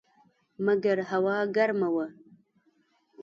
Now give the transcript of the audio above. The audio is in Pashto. مګر هوا ګرمه وه.